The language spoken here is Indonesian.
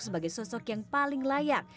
sebagai sosok yang paling layak